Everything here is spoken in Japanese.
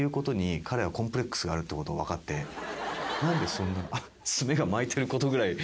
何でそんな。